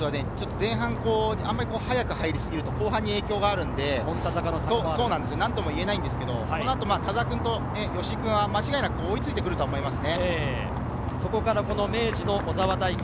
ここのコースは前半あまり早く入れすぎると、後半に影響があるので何とも言えないんですけど、この後、田澤君と吉居君は間違いなく追いついてくると思いますね。